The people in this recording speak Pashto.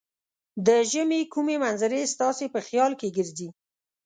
د ژمې کومې منظرې ستاسې په خیال کې ګرځي؟